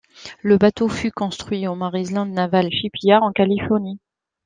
Le bateau fut construit au Mare Island Naval Shipyard, en Californie.